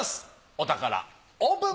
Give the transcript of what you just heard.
お宝オープン。